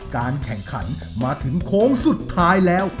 การแข่งขันมาถึงโค้งสุดท้ายแล้ว